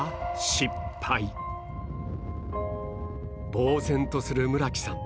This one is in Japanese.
ぼうぜんとする村木さん